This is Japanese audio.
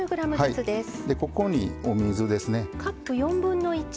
ここにお水ですね。